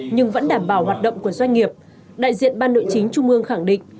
nhưng vẫn đảm bảo hoạt động của doanh nghiệp đại diện ban nội chính trung ương khẳng định